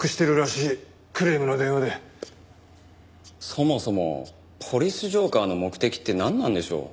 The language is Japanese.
そもそも「ポリス浄化ぁ」の目的ってなんなんでしょう？